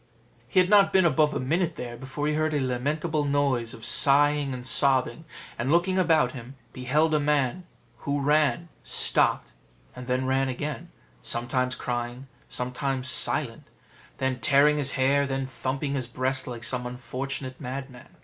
He had not been above a minute there before he heard a lamentable noise of sighing and sobbing; and looking about him, beheld a man, who ran, stopped, then ran again, sometimes crying, sometimes silent, then tearing his hair, then thumping his breast like some unfortunate madman.